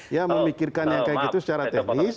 ya memikirkannya seperti itu secara teknis